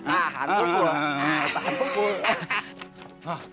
ah tahan pokok